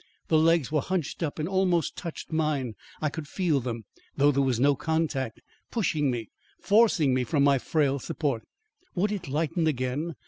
The legs were hunched up and almost touched mine. I could feel them though there was no contact pushing me forcing me from my frail support. Would it lighten again?